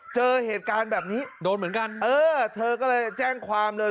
เจอเหตุการณ์แบบนี้โดนเหมือนกันเออเธอก็เลยแจ้งความเลย